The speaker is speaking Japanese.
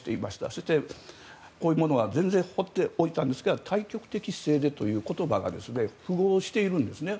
そして、こういうものは全然放っておいたんですが大局的姿勢でという言葉が符合しているんですね。